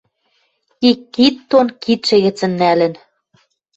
Ик кид дон кидшӹ гӹцӹн нӓлӹн